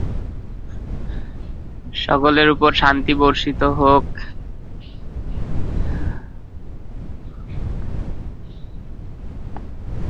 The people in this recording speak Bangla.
গঠন করেছিলেন।